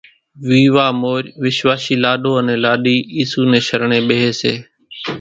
ويوا مورِ وِشواشِي لاڏو انين لاڏِي اِيسُو نين شرڻين ٻيۿيَ سي۔